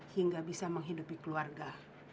hingga bisa menghidupi keluarga